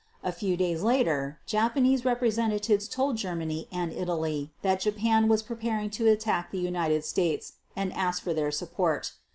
A few days later, Japanese representatives told Germany and Italy that Japan was preparing to attack the United States, and asked for their support.